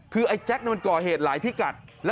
คือไอ้แจ๊คมันก่อเหตุหลายพิกัด